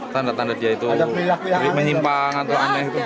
tanda tanda dia itu menyimpang atau aneh itu